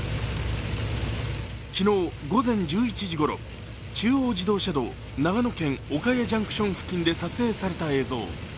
昨日午前１１時ごろ、中央自動車道長野県・岡谷ジャンクション付近で撮影された映像。